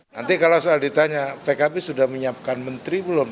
nanti kalau soal ditanya pkb sudah menyiapkan menteri belum